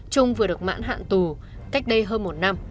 trung vừa được mãn hạn tù cách đây hơn một năm